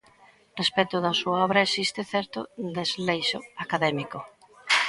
Respecto da súa obra existe certo desleixo académico.